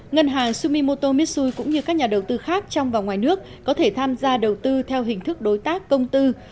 ngân hàng sumimoto mitsui cũng như các nhà đầu tư khác trong và ngoài nước có thể tham gia đầu tư theo hình thức đối tác công tư